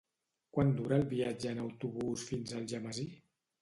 Quant dura el viatge en autobús fins a Algemesí?